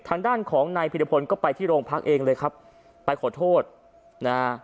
ทางด้านของนายพิรพลก็ไปที่โรงพักเองเลยครับไปขอโทษนะฮะ